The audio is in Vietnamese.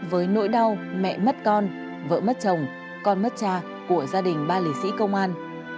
với nỗi đau mẹ mất con vợ mất chồng con mất cha của gia đình ba lì sĩ công an